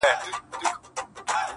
بې څښلو مي مِزاج د مستانه دی,